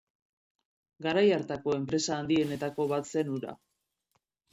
Garai hartako enpresa handienetako bat zen hura.